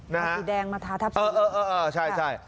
เอาสีแดงมาทาทับสีเหลืองใช่